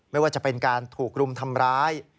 ไม่ว่าจะเป็นการถูกรุมทำร้าย